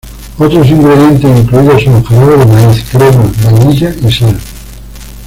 Otros ingredientes incluidos son jarabe de maíz, crema, vainilla y sal.